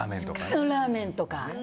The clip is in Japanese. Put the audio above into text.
ラーメンとか。